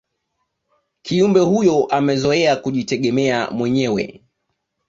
kiumbe huyo amezoea kujitegemea mwenyewe